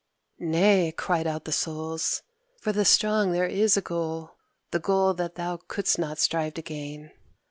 "Nay!" cried out the Souls; "for the strong there is a goal, the goal that thou couldst not strive to gain.